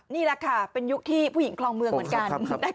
นี่แหละค่ะเป็นยุคที่ผู้หญิงคลองเมืองเหมือนกัน